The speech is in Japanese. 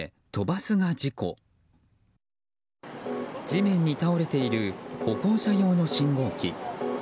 地面に倒れている歩行者用の信号機。